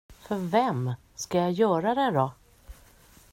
För vem ska jag göra det då?